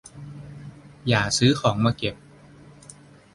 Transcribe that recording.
อย่าซื้อของมาเก็บ